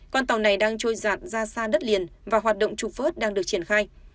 con tàu này đang trôi giạt ra xa đất liền và hoạt động trục vớt đang được triển khai